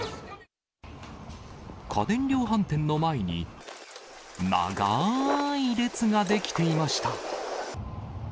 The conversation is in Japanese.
家電量販店の前に、長い列が出来ていました。